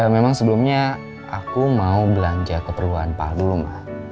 memang sebelumnya aku mau belanja keperluan pal dulu mah